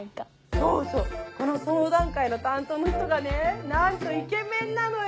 そうそうこの相談会の担当の人がねなんとイケメンなのよ。